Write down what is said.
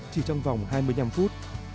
chỉ trong vòng hai mươi năm phút